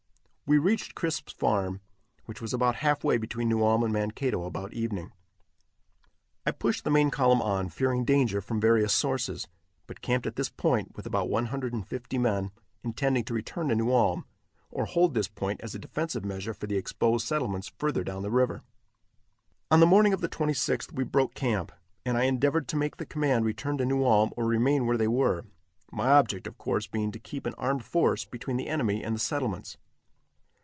We reached Crisp's farm, which was about half way between New Ulm and Mankato, about evening. I pushed the main column on, fearing danger from various sources, but camped at this point with about 150 men, intending to return to New Ulm, or hold this point as a defensive measure for the exposed settlements further down the river. On the morning of the 26th we broke camp, and I endeavored to make the command return to New Ulm or remain where they were my object, of course, being to keep an armed force between the enemy and the settlements.